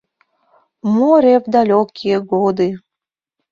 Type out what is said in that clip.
Море в далекие годы